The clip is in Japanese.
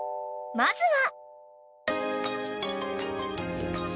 ［まずは］